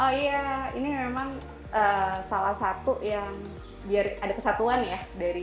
oh iya ini memang salah satu yang biar ada kesatuan ya